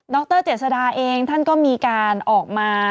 รเจษดาเองท่านก็มีการออกมา